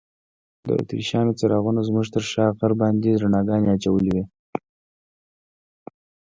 د اتریشیانو څراغونو زموږ تر شا غر باندې رڼاګانې اچولي وې.